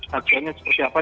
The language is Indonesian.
harganya seperti apa